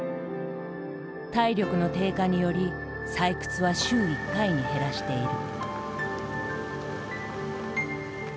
体力の低下により採掘は週１回に減らしている。